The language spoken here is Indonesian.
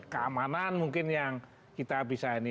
keamanan mungkin yang kita bisa ini